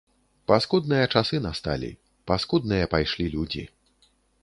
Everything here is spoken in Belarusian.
Паскудныя часы насталі, паскудныя пайшлі людзі.